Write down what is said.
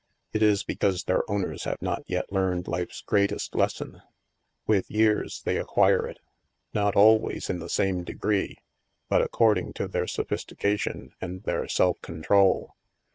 It is because their owners have not yet learned life's greatest les son. With years, they acquire it. Not always in the same degree, but according to their sophistica tion and their self control."